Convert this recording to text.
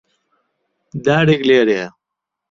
دارێک لێرەیە.